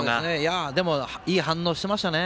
いい反応してましたね。